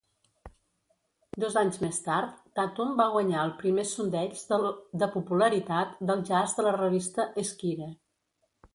Dos anys més tard, Tatum va guanyar el primer sondeig de popularitat del jazz de la revista "Esquire".